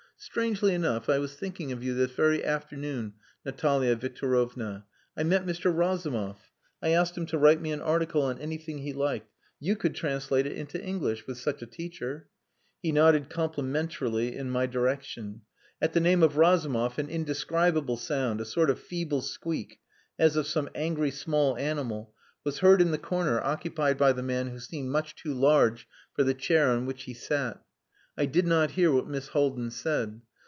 "Strangely enough, I was thinking of you this very afternoon, Natalia Victorovna. I met Mr. Razumov. I asked him to write me an article on anything he liked. You could translate it into English with such a teacher." He nodded complimentarily in my direction. At the name of Razumov an indescribable sound, a sort of feeble squeak, as of some angry small animal, was heard in the corner occupied by the man who seemed much too large for the chair on which he sat. I did not hear what Miss Haldin said.